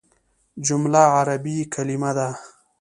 جمله عربي کليمه ده.